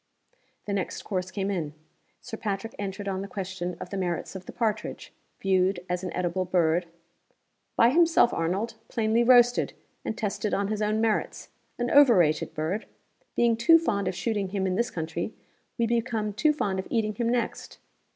The next course came in. Sir Patrick entered on the question of the merits of the partridge, viewed as an eatable bird, "By himself, Arnold plainly roasted, and tested on his own merits an overrated bird. Being too fond of shooting him in this country, we become too fond of eating him next.